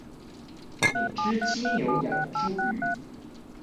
每隻雞牛羊豬魚